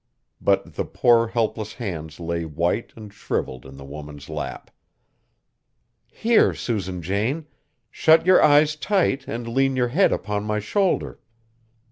But the poor, helpless hands lay white and shrivelled in the woman's lap. "Here, Susan Jane. Shut your eyes tight and lean your head upon my shoulder.